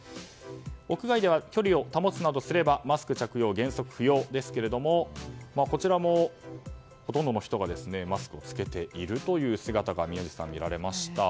屋外では距離を保つなどすればマスク着用は原則不要ですけどもこちらもほとんどの人がマスクを付けている姿が宮司さん、見られました。